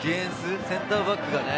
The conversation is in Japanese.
センターバックがね。